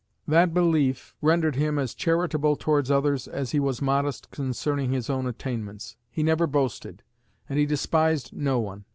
That belief rendered him as charitable towards others as he was modest concerning his own attainments. He never boasted; and he despised no one.